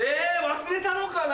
忘れたのかな？